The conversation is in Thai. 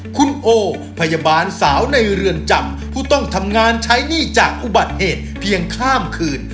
คุณโอพยาบาลสาวในเรือนจำผู้ต้องทำงานใช้หนี้จากอุบัติเหตุเพียงข้ามคืน